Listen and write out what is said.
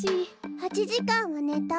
８じかんはねた。